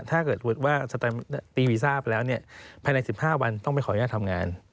ถ้าเกิดว่าตีวีซ่าไปแล้วภายใน๑๕วันต้องไปขออนุญาตทำงาน